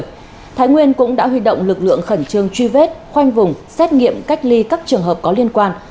thái nguyên cũng đã huy động lực lượng khẩn trương truy vết khoanh vùng xét nghiệm cách ly các trường hợp có liên quan